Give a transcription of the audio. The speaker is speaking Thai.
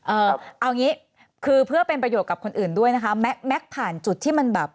เอางี้คือเพื่อเป็นประโยชน์กับคนอื่นด้วยนะคะแม็กแม็กซ์ผ่านจุดที่มันแบบ